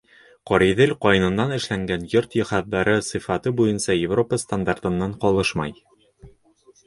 Ҡариҙел ҡайынынан эшләнгән йорт йыһаздары сифаты буйынса Европа стандарттарынан ҡалышмай.